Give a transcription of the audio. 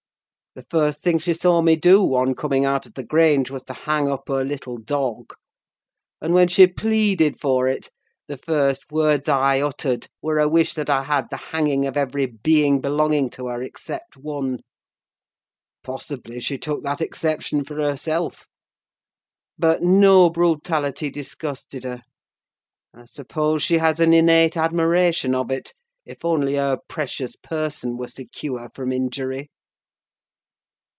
The first thing she saw me do, on coming out of the Grange, was to hang up her little dog; and when she pleaded for it, the first words I uttered were a wish that I had the hanging of every being belonging to her, except one: possibly she took that exception for herself. But no brutality disgusted her: I suppose she has an innate admiration of it, if only her precious person were secure from injury!